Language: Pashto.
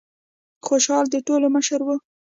خوشال د ټولو مشر و.